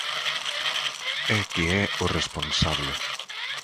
É que é o responsable.